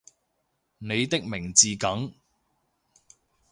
你的名字梗